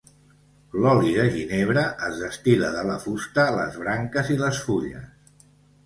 L'oli de ginebre es destil·la de la fusta, les branques i les fulles.